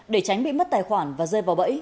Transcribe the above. để tránh bị mất tài khoản và rơi vào bẫy